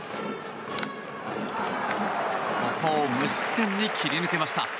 ここを無失点で切り抜けました。